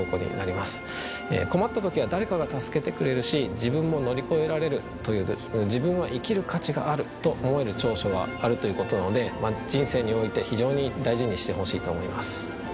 困った時は誰かが助けてくれるし自分も乗り越えられるという自分は生きる価値があると思える長所があるということなので人生において非常に大事にしてほしいと思います。